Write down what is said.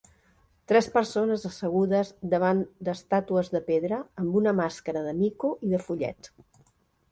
Tres persones assegudes davant d'estàtues de pedra amb una màscara de mico i de follet.